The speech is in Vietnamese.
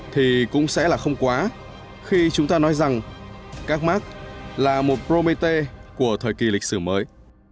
thì cũng sẽ là không quá khi chúng ta nói rằng các mark là một promete của thời kỳ lịch sử mới